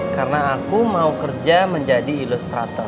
karena aku mau kerja menjadi ilustrator